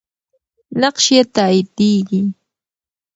نقش یې تاییدیږي.